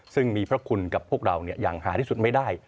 ซึ่งมีพระคุณกับพวกเราอย่างหาที่สุดไม่ได้